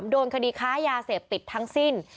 โดนคดีค้ายาเสพติดทั้งสิ้น